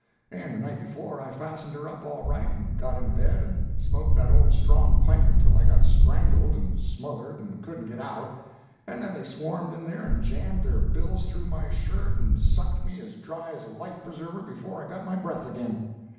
And the night before I fastened her up all right, and got in bed and smoked that old strong pipe until I got strangled and smothered and couldn't get out, and then they swarmed in there and jammed their bills through my shirt and sucked me as dry as a life preserver before I got my breath again.